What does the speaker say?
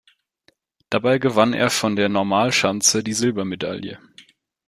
Dabei gewann er von der Normalschanze die Silbermedaille.